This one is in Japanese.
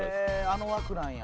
あの枠なんや。